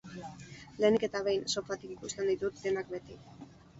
Lehenik eta behin, sofatik ikusten ditut denak beti.